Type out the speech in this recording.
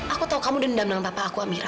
aku tahu kamu dendam dengan papa aku ambil